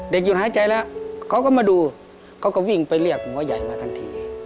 หยุดหายใจแล้วเขาก็มาดูเขาก็วิ่งไปเรียกหมอใหญ่มาทันที